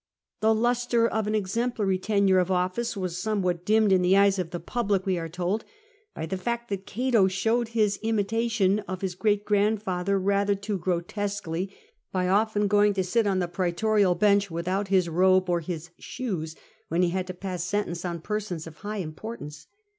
The lustre of an exemplary tenure of office was somewhat dimmed in the eyes of the public, we are told, by the fact that Cato showed his imitation of his great grandfather rather too grotesquely, by often going to sit on the praetorial bench without his robe or his shoes, when he had to pass sentence on persons of high importance.